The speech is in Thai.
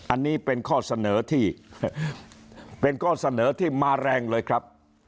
อันนี้เป็นข้อเสนอที่มาแรงเลยครับ